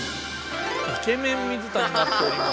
イケメン水田になっております。